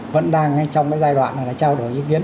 vẫn đang trong giai đoạn trao đổi ý kiến